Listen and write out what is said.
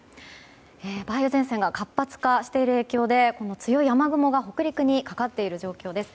梅雨前線が活発化している影響で強い雨雲が北陸にかかっている状況です。